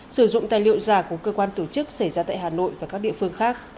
sử dụng tài liệu giả của cơ quan tổ chức